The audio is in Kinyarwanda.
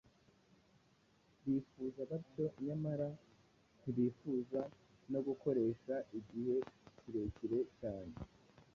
Bifuza batyo nyamara ntibifuza no gukoresha igihe kirekire cyane